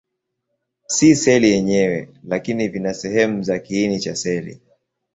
Si seli yenyewe, lakini vina sehemu za kiini cha seli.